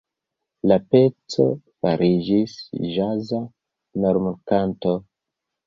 La peco fariĝis ĵaza normkanto.